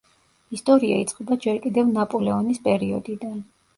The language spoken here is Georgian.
ისტორია იწყება ჯერ კიდევ ნაპოლეონის პერიოდიდან.